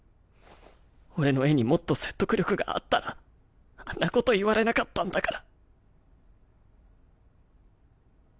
俺の絵にもっと説得力があったらあんなこと言われなかったんだから。